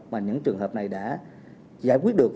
mà những trường hợp này đã giải quyết được